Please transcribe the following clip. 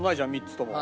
３つとも。